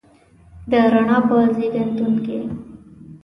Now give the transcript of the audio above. د رڼا په زیږنتون کې